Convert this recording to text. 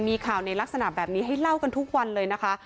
มีข่าวในลักษณะแบบนี้ให้เล่ากันทุกวันเลยนะคะ